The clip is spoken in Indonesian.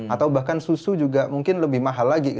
atau bahkan susu juga mungkin lebih mahal lagi